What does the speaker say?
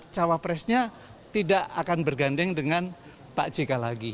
cawapresnya tidak akan bergandeng dengan pak jk lagi